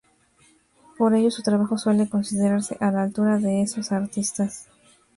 Por ello su trabajo suele considerarse a la altura de esos artistas.